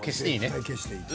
絶対消していい。